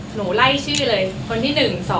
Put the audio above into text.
หนูไล่ชื่อเลยคนที่๑๒